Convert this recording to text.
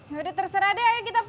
yaudah terserah deh ayo